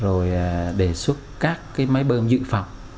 rồi đề xuất các máy bơm dự phòng